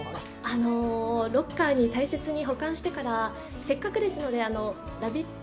あの、ロッカーに大切に保管してからせっかくですのでラヴィット！